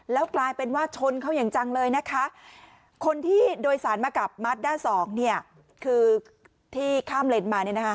แล้วกลายเป็นว่าชนเขาอย่างจังเลยนะคะคนที่โดยสารมากับมัดด้านสองเนี่ยคือที่ข้ามเลนมา